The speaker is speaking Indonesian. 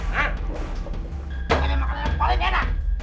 nah ini makanan yang paling enak